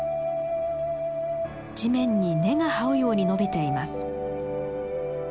地面に根がはうように伸びています。